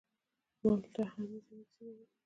مالټه هم ویټامین سي لري